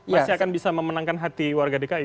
masih akan bisa memenangkan hati warga dki